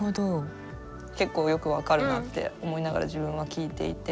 結構よく分かるなって思いながら自分は聞いていて。